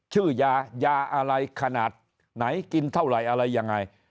ชื่อยายาอะไรขนาดไหนกินเท่าไหร่อะไรยังไง